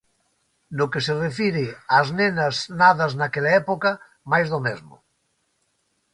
No que se refire ás nenas nadas naquela época, máis do mesmo.